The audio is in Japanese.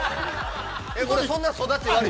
そんな育ち悪い？